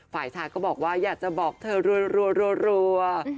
ฝ่ายชายก็บอกว่าอยากจะบอกเธอรัว